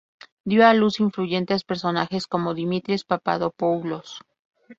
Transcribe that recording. Dio a luz a influyentes personajes como Dimitris Papadopoulos.